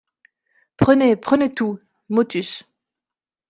Prenez, prenez tout ! MOTUS.